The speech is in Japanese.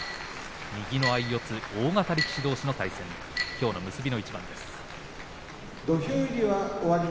右の相四つ、大型力士どうしの対戦、きょうの結びの一番です。